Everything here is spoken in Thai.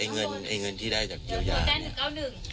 เงินที่ได้จากเจ้ายาเนี่ย